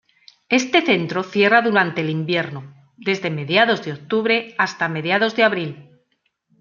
Este centro cierra durante el invierno, desde mediados de octubre hasta mediados de abril.